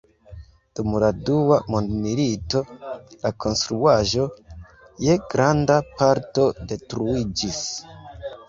Dum la Dua Mondmilito la konstruaĵo je granda parto detruiĝis.